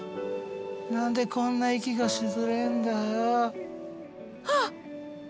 何でこんな息がしづれえんだよう。